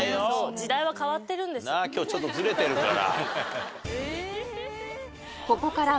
今日ちょっとずれてるから。